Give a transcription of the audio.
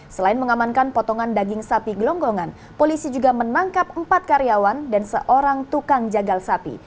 selain mengamankan potongan daging sapi gelonggongan polisi juga menangkap empat karyawan dan seorang tukang jagal sapi